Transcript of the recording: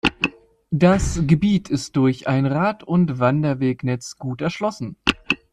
Das Gebiet ist durch ein Rad- und Wanderwegenetz gut erschlossen.